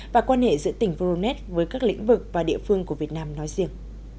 và quan hệ giữa tỉnh voronet với các lĩnh vực và địa phương của việt nam nói riêng